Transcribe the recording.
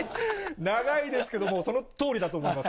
長いですけど、そのとおりだと思います。